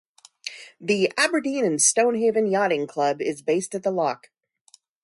The "Aberdeen and Stonehaven Yachting Club" is based at the loch.